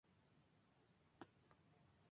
La Gran Misa en Do menor está inacabada.